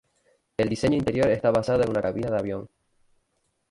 El diseño interior está basado en una cabina de avión.